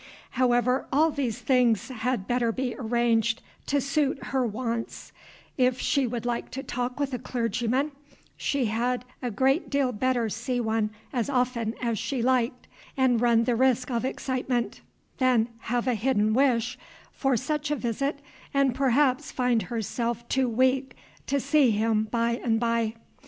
However, all these things had better be arranged to suit her wants; if she would like to talk with a clergyman, she had a great deal better see one as often as she liked, and run the risk of the excitement, than have a hidden wish for such a visit and perhaps find herself too weak to see him by and by.